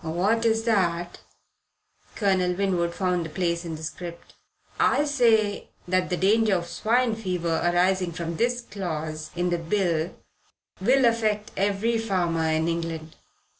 "What's that?" Colonel Winwood found the place in the script. "I say that the danger of swine fever arising from this clause in the Bill will affect every farmer in England."